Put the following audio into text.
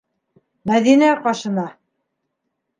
Мәҙинә ҡашына!